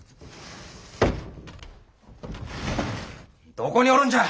どこにおるんじゃ！